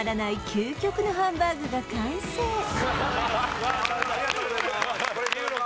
究極のハンバーグが完成ありがとうございますうわ